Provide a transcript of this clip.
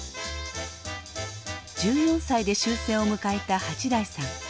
１４歳で終戦を迎えた八大さん。